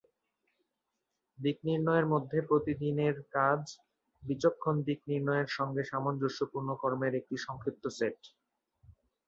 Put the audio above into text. দিক নির্ণয়ের মধ্যে প্রতিদিন এর কাজ বিচক্ষণ দিক নির্ণয়ের সঙ্গে সামঞ্জস্যপূর্ণ কর্মের একটি সংক্ষিপ্ত সেট।